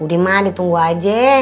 udah ma ditunggu aja